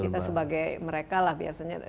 kita sebagai mereka lah biasanya